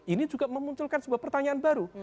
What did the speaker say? ini juga memunculkan sebuah pertanyaan baru